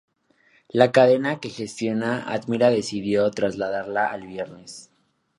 La cadena que gestiona Admira decidió trasladarla al viernes.